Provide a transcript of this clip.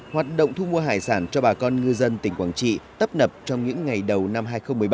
hoạt động thu mua hải sản cho bà con ngư dân tỉnh quảng trị tấp nập trong những ngày đầu năm hai nghìn một mươi bảy